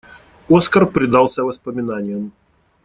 Оскар предался воспоминаниям.